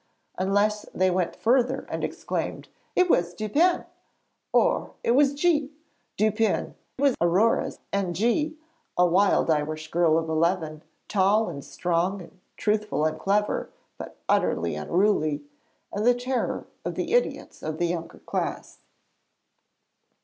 unless they went further and exclaimed, 'It was Dupin,' or 'it was G.' 'Dupin' was Aurore, and 'G.' a wild Irish girl of eleven, tall and strong and truthful and clever, but utterly unruly, and the terror of the 'idiots' of the younger class.